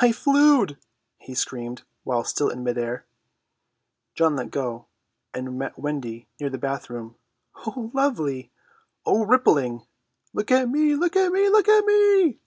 "I flewed!" he screamed while still in mid air. John let go and met Wendy near the bathroom. "Oh, lovely!" "Oh, ripping!" "Look at me!" "Look at me!" "Look at me!"